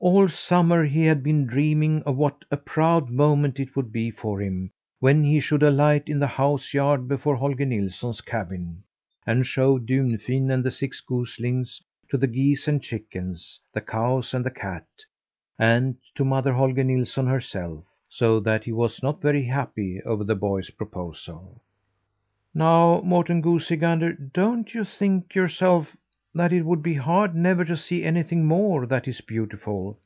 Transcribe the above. All summer he had been dreaming of what a proud moment it would be for him when he should alight in the house yard before Holger Nilsson's cabin and show Dunfin and the six goslings to the geese and chickens, the cows and the cat, and to Mother Holger Nilsson herself, so that he was not very happy over the boy's proposal. "Now, Morten Goosey Gander, don't you think yourself that it would be hard never to see anything more that is beautiful!"